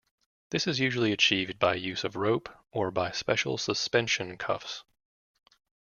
This is usually achieved by use of rope or by special suspension cuffs.